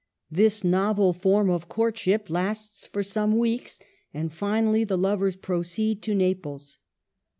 This novel form of courtship lasts for some weeks, and finally the lovers proceed to Naples.